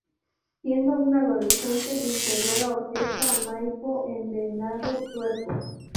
Siendo un adolescente integró la Orquesta Maipo en Venado Tuerto.